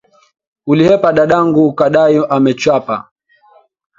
Ulihepa dadangu ukadai amechapa.